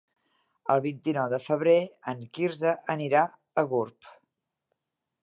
El vint-i-nou de febrer en Quirze anirà a Gurb.